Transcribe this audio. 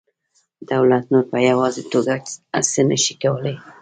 دولت نور په یوازې توګه هر څه نشي کولی